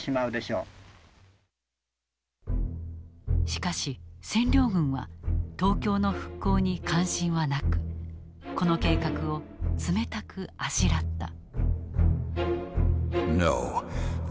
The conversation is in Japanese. しかし占領軍は東京の復興に関心はなくこの計画を冷たくあしらった。